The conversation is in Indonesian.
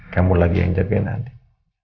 kamu lagi yang jagain andin